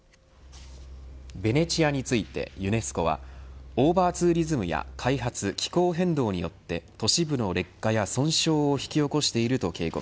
ベネチアについて、ユネスコはオーバーツーリズムや開発気候変動によって都市部の劣化や損傷を引き起こしていると警告。